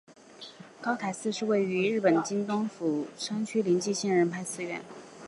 高台寺是位在日本京都府京都市东山区的临济宗建仁寺派寺院。